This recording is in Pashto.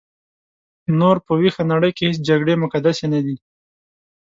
نور په ویښه نړۍ کې هیڅ جګړې مقدسې نه دي.